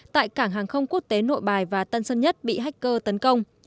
tại cảng hàng không quốc tế nội bài và tân sơn nhất bị hacker tấn công